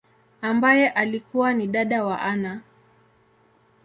ambaye alikua ni dada wa Anna.